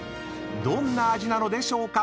どんな味なのでしょうか？］